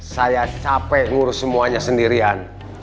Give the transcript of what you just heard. saya capek ngurus semuanya sendirian